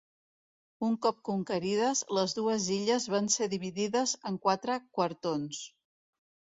Un cop conquerides, les dues illes van ser dividides en quatre quartons.